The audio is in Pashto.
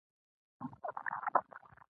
ټول ارزښتونه یې درسره مشترک دي.